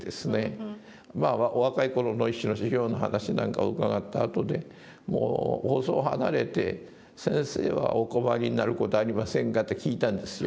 まあお若い頃の一種の修行の話なんかを伺った後でもう放送離れて「先生はお困りになる事はありませんか」って聞いたんですよ。